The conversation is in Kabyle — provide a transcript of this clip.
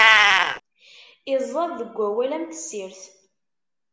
Iẓẓad deg wawal am tessirt.